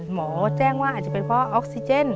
หมอแจ้งว่าอาจจะเป็นเพราะออกซิเจน